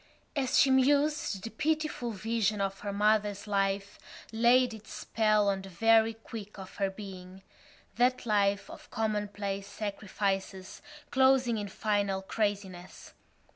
As she mused the pitiful vision of her mother's life laid its spell on the very quick of her being—that life of commonplace sacrifices closing in final craziness.